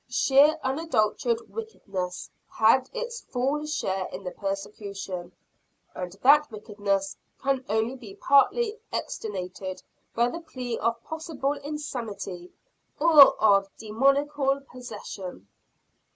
Sheer, unadulterated wickedness had its full share in the persecution; and that wickedness can only be partly extenuated by the plea of possible insanity or of demoniacal possession.